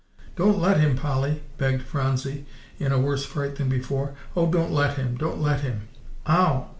"Don't let him, Polly!" begged Phronsie in a worse fright than before. "Oh, don't let him; don't let him!" "Ow!